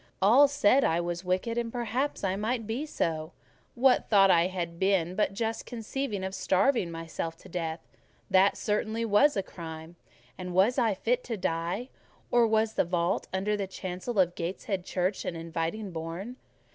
All said I was wicked, and perhaps I might be so; what thought had I been but just conceiving of starving myself to death? That certainly was a crime: and was I fit to die? Or was the vault under the chancel of Gateshead Church an inviting bourne?